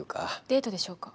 デートでしょうか？